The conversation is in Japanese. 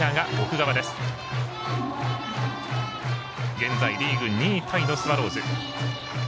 現在リーグ２位タイのスワローズ。